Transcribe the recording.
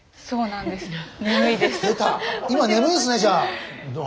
そうなんです。